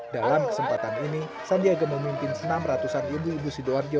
dalam kesempatan ini sandiaga memimpin senam ratusan ibu ibu sidoarjo